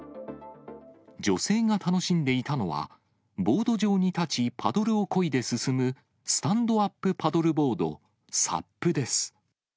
女性が楽しんでいたのは、ボード上に立ち、パドルをこいで進むスタンドアップパドルボード・サップです。